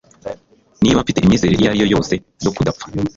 niba mfite imyizerere iyo ari yo yose yo kudapfa